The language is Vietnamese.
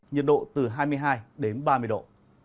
nhiệt độ từ hai mươi hai đến ba mươi độ